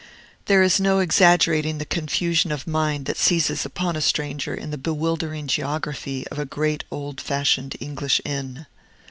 There is no exaggerating the confusion of mind that seizes upon a stranger in the bewildering geography of a great old fashioned English inn.